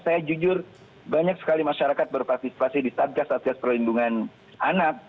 saya jujur banyak sekali masyarakat berpartisipasi di satgas satgas perlindungan anak